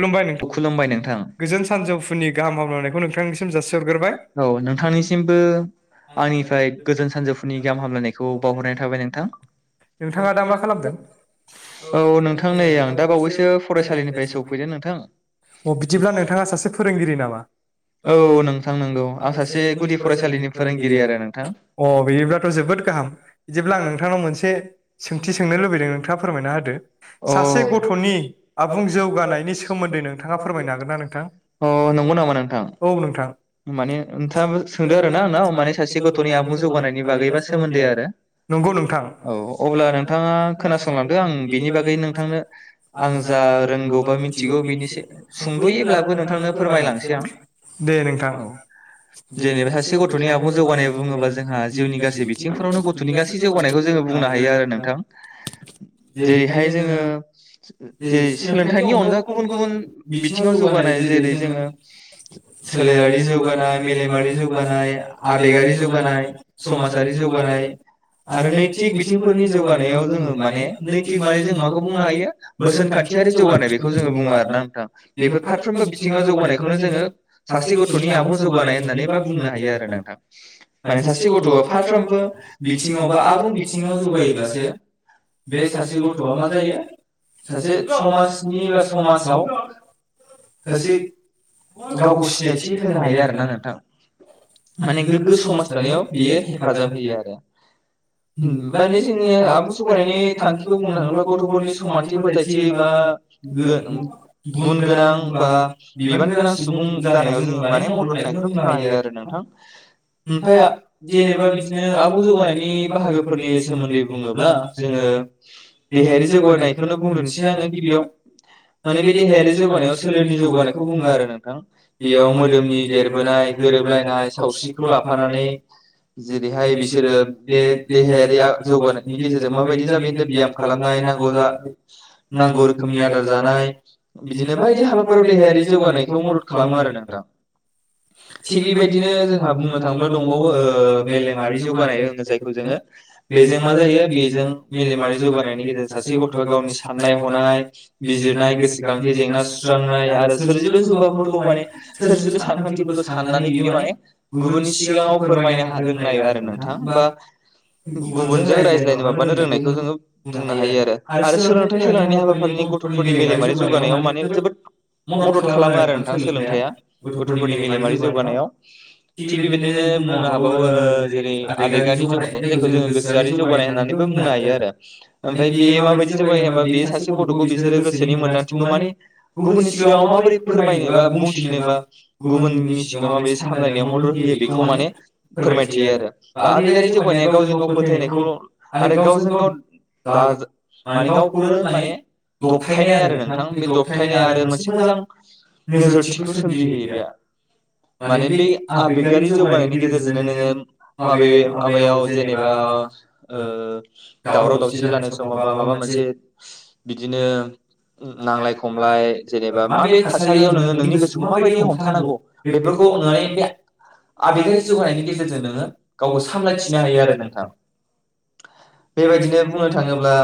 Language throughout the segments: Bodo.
खुलुमबाय औ खुलुमबाय नोंथां गोजोन सानजौफुनि गाहाम हामलायनायखौ नोंथांनि सिम जासिहरग्रोबाय औ नोंथांनिसिमबो आंनिफ्राय गोजोन सानजौफुनि गाहाम हामलायनायखौ बावहरनाय थाबाय नोंथां नोंथाङा दा मा खालामदों औ नोंथां नै आं दा बावैसो फरायसालिनिफ्राय सौफै अ बिदिब्ला नोंथाङा सासे फोरोंगिरि नामा औ औ नोंगौ आं सासे गुदि फरायसालिनि फोरोंगिरि आरो अह बिदिब्लाथ जोबोद गाहाम बिदिब्ला आं नोंथांनाव मोनसे सोंथि सोंनो लुबैदों नोंथाङा फोरमायना होदो सासे गथनि आबुं जौगानाय अ नंगौ नामा नोंथां औ औ माने नोंथाङाबो सोंदों आरोना आंनाव माने सासे गथ'नि आबुं जौगानायनि बागै बा सोमोन्दै आरो नंगौ नोंथां औ अब्ला नोंथाङा खोनासंलांदो आं बिनि बागै नोंथांनो आं जा रोंगौबा मिथ मिथिगौ बेनि एसे सुंदयैब्लाबो नोंथांनो फोरमायलांनोसै आं दे औ जेनेबा सासे गथनि आबुं जौगानाय बुङोबा जोंहा जिउनि गासै बिथिंफोरावनो गथनि गासै जौगानायखौ जोङो बुंनो हायो आरो नोंथां जेरैहाय जोङो जे सोलोंथाइनि अनगा गुबुन गुबुन बिथिङाव जौगानाय जेरै जोङो सोलेरारि जौगानाय मेलेमारि जौगानाय आबेगारि जौगानाय समाजारि जौगानाय आरो नैथिक बिथिंफोरनि जौगानायाव जोङो माने नैथिक माने जों माखौ बुंनो हायो बोसोन खान्थियारि जौगानाय बेख बेखौ जोङो बुङो आरो ना नोंथां बेफोर फारफ्रामबो बिथिङाव जौगानायखौनो जोङो सासे गथनि आबुं जौगानाय होननानै बा बुंनो हायो आरो नोंथां माने सासे गथआ फारफ्रोमबो बिथिङाव बा आबुं बिथिङाव जौगायोब्लासो बे सासे गथआ मा जायो सासे समाज नि बा समाजाव सासे गावखौ सिनायथि होनो हायो आरो ना नोंथां माने गोग्गो समाज दानायाव बियो हेफाजाब होयो आरो माने जोंनि आबुं जौगानायनि थांखिखौ बुंनो थाङोब्ला गथ'फोरनि समानथि फोथायथि बा गो गुन गोनां बा बिबान गोनां सुबुं जानायाव जोङो माने मदद होनायखौनो बुंनो हायो आरो नोंथां। ओमफाय जेनेबा बिदिनो आबुं जौगानायनि बाहागोफोरनि सोमोन्दै बुङोब्ला जोङो देहायारि जौगानायखौनो बुंग्रोनोसै आङो गिबियाव माने बे देहायारि जौगानायाव सोलेरनि जौगानायखौ बुङो आरो नोंथां बेयाव मोदोमनि देरबोनाय गोरोबलायनाय सावस्रिखौ लाफानानै जेरैहाय बिसोरो बे देहायारि आ जौगानायनि गेजेरजों माबायदि [unintelligible] ब्याम खालामनाय नांगौ जा नांगौ रो खोमनि आदार जानाय बिदिनो बायदि हाबाफोराव देहायारि जौगानायखौ मदद खालामो आरो नोंथां। थिग बेबायदिनो जोंहा बुंनो थाङोब्ला दंबाव ओ मेलेमारि जौगानाय होनो जायखौ जोङो बेजों मा जायो बेजों मेलेमारि जौगानायनि गेजेरजों सासे गथ'आ गावनि साननाय हनाय बिजिरनाय गोसोखांथि जेंना सुस्रांनाय आरो सोरजिलु जुगाफोरखौ माने सोरजिलु सानखांथिफोरखौ साननानै बियो माने गुबुननि सिगाङाव फोरमायनो रोंनाय आरो नोंथां बा गुबुनजों रायज्लायनो माबानो रोंनायखौ जोङो बुंनो हायो आरो आरो सोलोंथाइ सोलोंनायनि हाबा गथ'फोरनि मेलेमारि जौगानायाव माने जोबोद मदद खालामो आरो नोंथां सोलोंथाया गथ'फोरनि मेलेमारि जौगानायाव। थिग बेबायदिनो बुंनो हाबावो जेरै आबेगारि जौगानाय जायखौ जोङो गोसोआरि जौगानाय होननानैबो बुंनो हायो आरो ओमफ्राय बे माबायदि जौगायो होनबा बे सासे ग [unintelligible] गोसोनि मोनदांथिखौ माने गुबुननि सिगाङाव माबोरै फोरमायनो बा बुंथिनो बा गुबुननि सिगाङाव मा बायदि सामलायनायाव मदद होयो बेखौ माने फोरमायथियो आरो बा आबेगारि जौगानाया गावजों गाव फोथायनायखौल' आरो गावजों गाव दा ज माने गावखौनो माने दबथायनाय आरो नोंथां बे दबथायनाय आरो मोनसे मोजां नोजोरथिखौ सोमजिहोयो बे माने बे आबेगारि जौगानायनि गेजेरजोंनो नोङो माबे माबायाव जेनेबा ओ दावराव दावसि जानाय समाव बा माबा मोनसे बिदिनो नांलाय खमलाय जेनेबा माबे थासारियाव नोङो नोंनि गोसोखौ माबायदि हमथानांगौ बेफोरखौ नों ने बे आबेगारि जौगानायनि गेजेरजों नोङो गावखौ सामलायथिनो हायो आरो नोंथां। बेबायदिनो बुंनो थाङोब्ला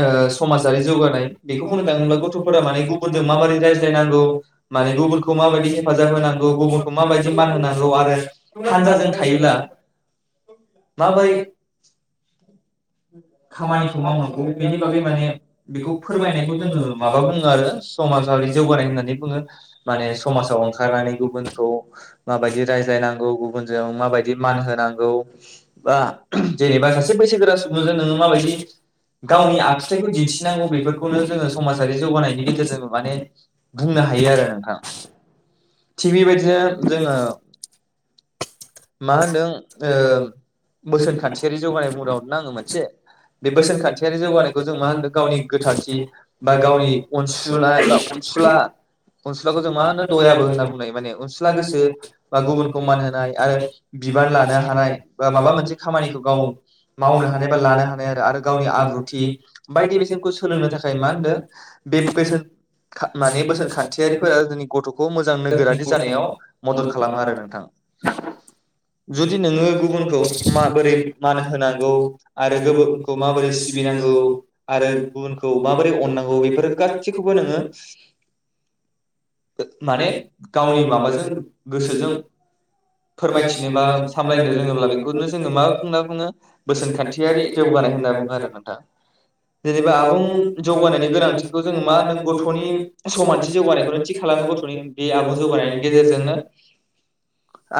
ओ समाज जारि जौगानाय बेखौ बुंनो थाङोब्ला गथ'फोरा माने गुबुनजों माबारै रायज्लायनांगौ माने गुबुनखौ माबायदि हेफाजाब होनांगौ गुबुनखौ माबायदि मान होनांगौ आरो हानजाजों थायोब्ला माबोरै [unintelligible] बेखौ फोरमायनायखौ जोङो माबा बुङो आरो समाजर जौगानाय होननानै बुङो माने समाजाव ओंखारनानै गुबुनखौ माबायदि रायज्लायनांगौ गुबुनजों माबायदि मान होनांगौ बा जेनेबा सासे बैसोगोरा सुबुंजों नो [unintelligible] थि नांगौ बेफोरखौनो जोङो समाजारि जौगानायनि गेजेरजों माने बुंनो हायो आरो नोंथां। थिग बेबायदिनो जोङो मा होनदों ओ बोसोन खान्थियारि जौगानाय [unintelligible] आङो मोनसे बे बोसोन खान्थियारि जौगानायखौ जों मा होनदों? गावनि गोथारथि बा गावनि अनसुला बा अनसुला अनसुलाखौ जों मा होनो दयाबो होनना बुंनायायो माने अनसुला गोसो बा गुबुनखौ मान होनाय आरो बिबान लानो हानाय बा माबा मोनसे खामानिखौ गाव मावनो हानाय बा लानो हानाय आ आरो गावनि आब्रुथि बायदि बेसेनखौ सोलोंनो थाखाय मा होन्दों बे बोसोन माने बोसोन खान्थियारिफोरा जोंनि गथ' खौ मोजां नोगोरारि जानायाव मदद खालामो आरो नोंथां। जुदि नोङो गुबुनखौ माबोरै मान होनांगौ आरो गुबुनखौ माबोरै सिबिनांगौ आरो गुबुनखौ माबोरै अननांगौ बेफोर गासिखौबो नोङो। माने गावनि माबाजों गोसोजों फोरमायथिनो बा सामलायनो रोङोब्ला बेखौनो जोङो मा बुंना बुङो बोसोन खान्थियारि जौगानाय होनना बुङो आरो नोंथां। जेनेबा आबुं जौगानायनि गोनांथिखौ जोङो मा होनदों गथ'नि समानथि जौगानायखौनो थि खालामो गथ'नि बे आबुं जौगानायनि गेजेरजोंनो।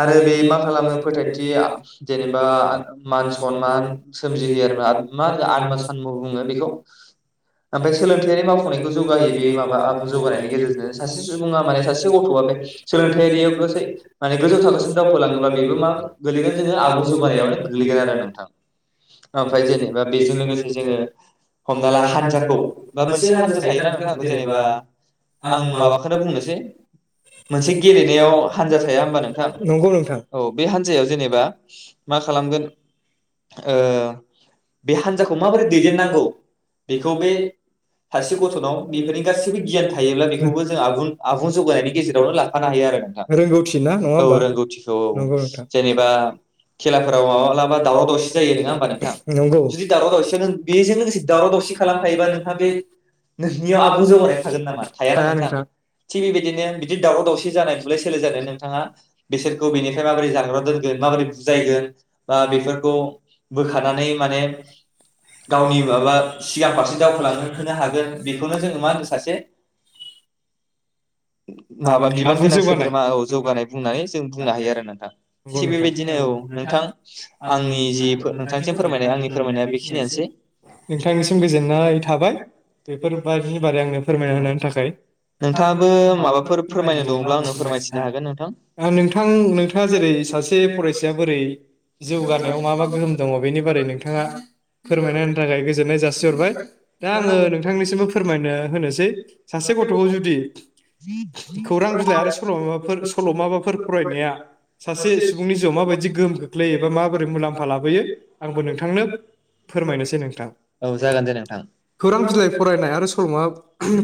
आरो बे मा खालामो फोथायथि जेनेबा मान सनमान सोमजिहोयो आरोना मा होनो आदमा सानमु बुङो बेखौ। ओमफ्राय सोलोंथायारि मावफुंनायखौ जौगाहयो बे माबा आबु जौगानायनि गेजेरजों सासे सुबुङा माने सासे गथ'आ बे सोलोंथायारियाव गासै माने। गोजौ थाखोसिम दावखलाङोब्ला बेबो मा गोगलैगोन जोङो आबुं जौगानायावनो गोग्लैगोन आरो नोंथां ओमफ्राय जेनेबा बेजों लोगोसे जोङो। हमना ला हानजाखौ बा मोनसे हानजा थायोना नोंथांखौ जेनेबा आं माबाखौनो बुंनोसै मोनसे गेलेनायाव हानजा थाया होनोमबा नोंथां। नोंथां औ बे हान्जायाव जेनेबा मा खालामगोन ओ बे हान्जाखौ माबोरै दैदेननांगौ। बेखौ बे सासे गथ'नाव बेबादि गासैबो गियान थायोब्ला बेफोरखौबो जों आबुं आबुं जौगानायनि गेजेराव लाफानो हायो आरो रोंगौथि ना नङा। नोंथां जेनेबा खेलाफ्राव माब्लाबा दाव दावसि जायो नङा होमब्ला नोंथां नोंगौ। दावराव दावसि खालामफायोबा नोंहाहा बे नोंनियाव आबुं जौगानाय थागोन नामा थायाना नोंथां थिग बेबायदिनो बिदि दावराव दावसि जानाय बुलाय सोलाय जानाय नोंथाङा। बेसोरखौ बेनिफ्राय माबोरै जानग्रााव दोनगोन माबोरै बुजायगोन बा बेफोरखौ बोखानानै माने गावनि माबा। सिगां फारसे दावखोलांनो होनो हागोन बेखौनो जोङो मा होनदों सासे माबा बिबान गोनां सोद्रोमा औ जौगानाय बुंओ। जों बुंनो हायो आरो नोंथां थिग बेबायदिनो औ नोंथां आंनि जि नोंथांसिम फोरमायनाय आंनि फोरमायनाया बेखिनियानोसै। नोंथांनिसिम गोजोननाय थाबाय बेफोरबायदिनि बारै आंनो फोरमायना होनायनि थाखाय नोंथाङाबो माबाफोर फोरमायनोब्ला आं फोरमायनो हागोन। नोंथां नोंथाङा जेरै सासे फरायसाया बोरै जौगानायाव मा मा गोहोम दङ बेनि बारै नोंथाङा फोरमायना होनो थाखाय गोजोन। जासिहरबाय दा आङो नोंथांनिसिमबो फोरमायनो होनोसै सासे गथ'खौ जुदि खौरां बिलाइ आरो सल' माबाफोर। माबाफोर फरायनाया सासे सुबुंनि जिउआव माबायदि गोहोम खोख्लैयो एबा माबोरै मुलाम्फा लाबोयो आंबो नोंथांनो फोरमायनोसै नोंथां। खौरां बिलाइ फरायनाय आरो सल'मा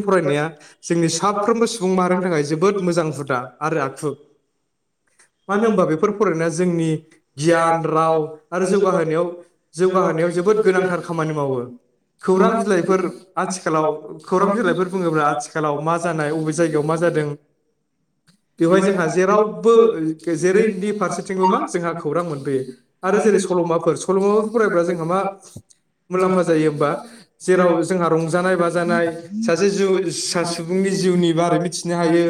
फरायनाया जोंनि साफ्रोमबो सुबुं माहारिनि थाखाय जोबोद मोजां हुदा आरो। [inaudible] मानो होनबा बेफोर फरायनाया जोंनि गियान राव आरो जौगाहायाव जौगाहोनायाव जोबोद गोनांथार खामानि मावो खौरां बिलाइफोर आथिखालाव खौरां बिलाइफोर बुङोब्ला आथिखालाव मा जानाय बबे जायगायाव मा जादों। बेवहाय जोंहा जेरावबो। जेरैनि फारसेथिंल' मा जोंहा खौरां मोनबोैयो आरो जेरै सल'माफोर सल'माफोर फरायब्ला जोंहा मा मुलाम्फा जायो होमबा जेराव जोंहा रंजानाय बाजानाय सासे जिउ सुबुंनि जिउनि बारै मिथिनो हायो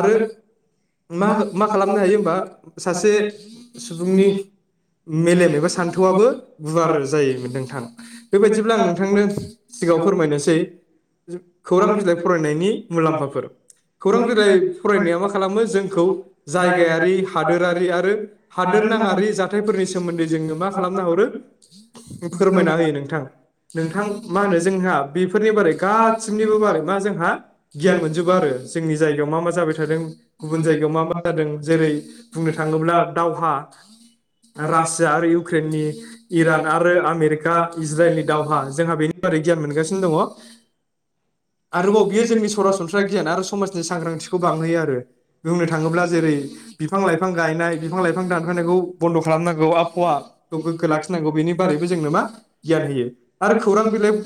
आरो। मा मा खालामनो। थायो होमबा सासे सुबुंनि मेलेम एबा सान्थौआबो गुवार जायो नोंथां बेबायदिब्ला आं नोंथांनो सिगाङाव फोरमायनोसै खौरां बिलाइ फरायनायनि मुलाम्फाफोर खौरां बिलाइ फरायनाया माखा खालामनो जोंखौ गायारि हादोरारि आरो हादोरनाङारि जाथायफोरनि सोमोन्दै जोङो मा खालामना हरो फोरमायना होयो नोंथां ।नोंथां मा होनो जोंहा बेफोरनि बारै गासिनिबो बारै मा जोंहा गियान मोनजोबो आरो जोंनि जायगायाव मा मा जाबाय थादों। गुबुन जायगायाव मा मा जादों। जेरै बुंनो थाङोब्ला दावहा रासिया आरो इउक्रेननि इरान आरो आमेरिका इज्राइलनि दावहा जोंहा बेनि बारै गियान मोनगासिनो दङ आरोबाव बियो जोंनि सरासनस्राय गियान आरो समाजनि सांग्रांथिखौ बांहोयो आरो। बुंनो थाङोब्ला जेरै बिफां लाइफां गायनाय बिफां लाइफां दानफानायखौ बन्द खालामनांगौ आबहावाखौ गोग्गो लाखिनांगौ बेनि बारैबो जोंनो मा गियान होयो आरो खौरां बिलाइ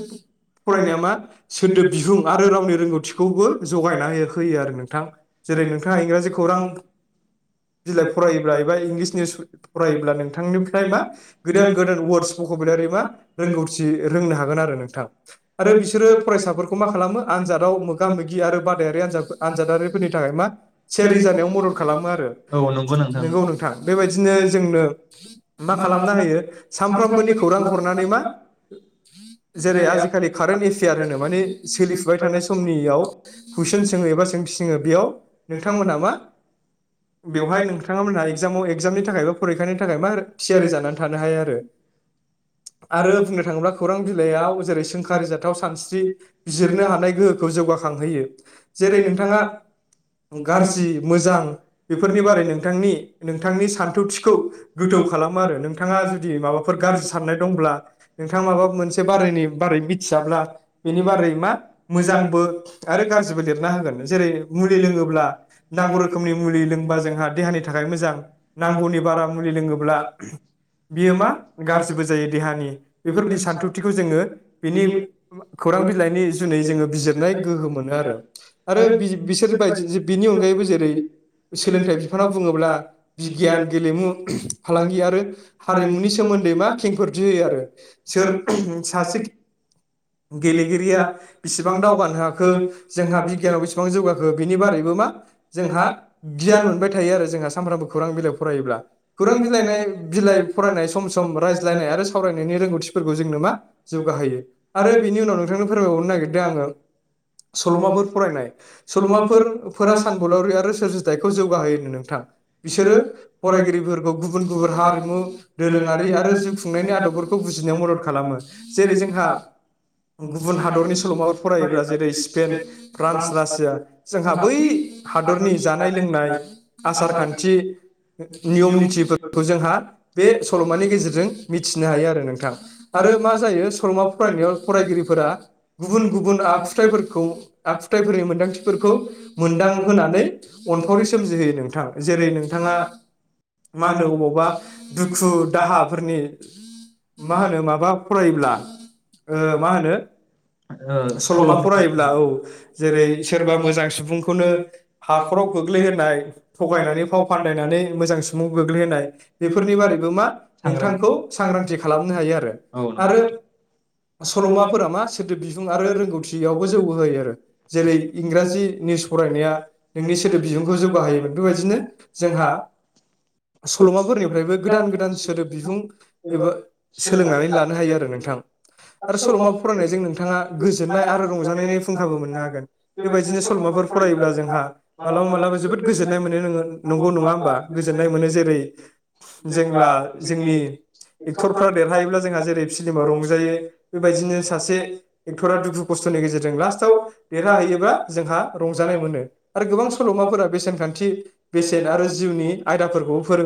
फरायनाया मा सोदोब बिहुं आरो रावनि रोंगौथिखौबो जगायना हो होयो आरो नोंथां जेरै नों इंराजि खौरां बिलाय फरायोब्ला एबा इंलिस न्युज फरायोब्ला नोंथांनिफ्राय मा गोदान गोदान वार्डस भकेबुलारि मा रोंगौथि रोंनो हागोन आरो नोंथां आरो बिसोरो फरायसाफोरखौ मा खालामो आनजादाव मोगा मोगि आरो बादायारि आनजाद आनजादारिफोरनि थाखाय मा थियारि जानायाव मदद खा नंगौ नोंथां बेबायदिनो जोंनो मा खालामना होयो सामफ्रामबोनि खौरां हरनानै मा जेरै आजिखालि कारेन्ट एफेयार होनो माने सोलिफुबाय थानाय समनियाव कुइसन सोङो एबा सों सोङो बेयाव नोंथांमोना मा बेवहाय नोंथाङा मोनहा एगजामाव एगजामनि थाखाय बा फरिखानि थाखाय मा थियारि जानानै थानो हाया आरो आरो बुंनो थाङोब्ला खौरां बिलाइयाव जेरै सोंखारि जाथाव सानस्रि बिजिरनो हानाय गोहोखौ जौगाखांहोयो जेरै नोंथाङा गाज्रि मोजां बेफोरनि बारै नोंथांनि नोंथांनि सान्थौथिखौ गोथौ खालामो आरो नोंथाङा जुदि माबाफोर गाज्रि साननाय दंब्ला नोंथाङा माबा मोनसे बारैनि बारै मिथियाब्ला बेनि बारै मा मोजांबो आरो गाज्रिबो लिरना होगोन जेरै मुलि लों आ नांगौ रोखोमनि मुलि लों जोंहा देहानि थाखाय मोजां नांगौनि बारा मुलि लोङोब्ला बियो मा गाज्रिबो जायो देहानि बेफोरबायदि सान्थौथिखौ जोङो बिनि खौरां बिलाइनि जुनै जोङो बिजिरनाय गोहो मोनो आरो आरो बि बिसोरबायदि बिनि अनगायैबो जेरै सोलोंथाइ बिफानाव बुङोब्ला बिगियान गेलेमु फालांगि आरो हारिमुनि सोमोन्दै मा खेंफोरथि होयो आरो सोर सासे गेलेगिरिया बिसिबां दावगानो हाखो जोंहा बिगियानाव बेसिबां जौगाखो बिनि बारैबो मा जोंहा गियान मोनबाय थायो आरो जोंहा सानफ्रामबो खौरां बिलाइ फरायोब्ला खौरां बिलाइ बिलाइ फरायनाय सम सम रायज्लायनाय आरो सावरायनायनि रोंगौथिफोरखौ जोंनो मा जौगाहोयो। आरो बेनि उनाव नोंथांनो फोरमायबावनो नागिरदों आङो सल'माफोर फरायनाय स सल'माफोर फोरा सानबोलावरि आरो सोरजिथाइखौ जौगाहोयोनो नोंथां बिसोरो फरायगिरिफोरखौ गुबुन गुबुन हारिमु दोरोङारि आरो जिउ खुंनायनि आदबफोरखौ बुजिनायाव मदद खालामो जेरै जोंहा गुबुन हादरनि सल'माफोर फरायोब्ला जेरै स्पेन फ्रान्स रासिया जोंहा बै हादरनि जानाय लोंनाय आसार खान्थि नियम नितिफोरखौ जोंहा बे सलमानि गेजेरजों मिथिनो हायो आरो नोंथां आरो मा जायो सल'माफोर फरायनायाव फरायगिरिफोरा गुबुन गुबुन आखुथायफोरखौ आखुथायाइफोरनि मोनदांथि फोरखौ मोनदां होनानै अनफावरि सोमजिहोयो नोंथां जेरै नोंथाङा मा होनो अबावबा दुखु दाहाफोरनि मा होनो माबा फरायोब्ला ओ मा होनो सलमा फरायोब्ला औ जेरै सोरबा मोजां सुबुंखौनो हाखराव गोग्लैहोनाय थगायनानै फाव फानदायनानै मोजां सुबाव गोग्लैहोनाय बेफोरनि बारैबो मा नोंथांखौ सांग्रांथि खालामनो हायो आरो आरो सलमाफोरा मा सोदोब बिहुं आरो रोंगौथियावबो जौगा होयो आरो जेरै इंराजि निउस फरायनाया नोंनि सोदोब बिबुंखौ जौगाहोयोमोन बेबायदिनो जोंहा सलमाफोरनिफ्रायबो गोदान गोदान सोदोब बिहुं एबा सोलोंनानै लानो हायो आरो नोंथां आरो सलमा फरायनायजों नोंथाङा गोजोननाय आरो रंजानायनि फुंखाबो मोननो हागोन बेबायदिनो सलमाफोर फरायोब्ला जोंहा मालाबा मालाबा जोबोद गोजोननाय मोनो नोङो नंगौ नङा होमबा गोजोननाय मोनो जेरै जेब्ला जोंनि एक्टरफ्रा देरहायोब्ला जोंहा जेरै फिलिमाव रंजायो बेबायदिनो सासे एक्टरा दुखु खस्थनि गेजेरजों लास्टाव देरहाहैयोब्ला जोंहा रंजानाय मोनो आरो गोबां सलमाफोरा बेसेन खान्थि बेसेन आरो जिउनि आयदाफोरखौ फोरों